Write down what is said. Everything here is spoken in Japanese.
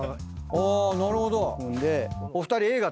あなるほど。